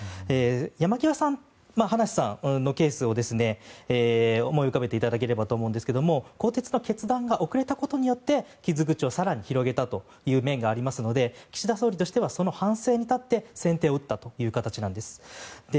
山際さん、葉梨さんのケースを思い浮かべていただければと思うんですが更迭の決断が遅れたことによって傷口を更に広げたという面がありますので岸田総理としてはその反省に立って先手を打ったという形なんです。